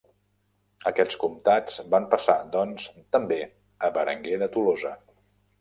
Aquests comtats van passar, doncs, també a Berenguer de Tolosa.